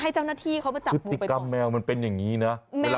สติดกรรมแมวมันเป็นอย่างนี้นะ